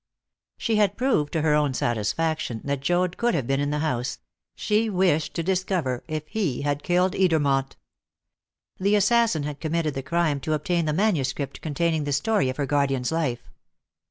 She had proved to her own satisfaction that Joad could have been in the house; she wished to discover if he had killed Edermont. The assassin had committed the crime to obtain the manuscript containing the story of her guardian's life.